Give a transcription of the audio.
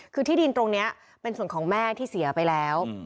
คือที่ดินตรงนี้เป็นส่วนของแม่ที่เสียไปแล้ว